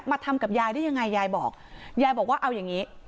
ทำกับยายได้ยังไงยายบอกยายบอกว่าเอาอย่างงี้